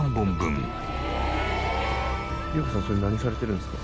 りえこさんそれ何されてるんですか？